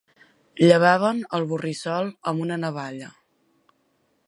Llevaven el borrissol amb una navalla.